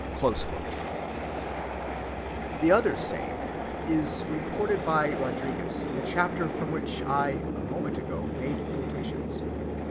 (188) The other saying is reported by Rodriguez in the chapter from which I a moment ago made quotations.